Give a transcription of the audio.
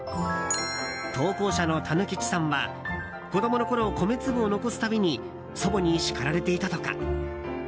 投稿者のたぬきちさんは子供のころ米粒を残す度に祖母に叱られていたとか。